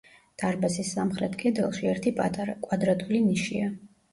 დარბაზის სამხრეთ კედელში ერთი პატარა, კვადრატული ნიშია.